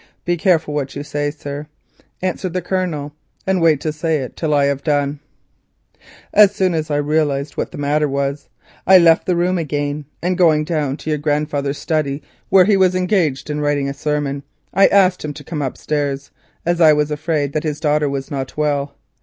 "Be careful what you say, sir," answered the Colonel, "and wait to say it till I have done." "As soon as I realised what was the matter, I left the room again, and going down to your grandfather's study, where he was engaged in writing a sermon, I asked him to come upstairs, as I feared that his daughter was not well.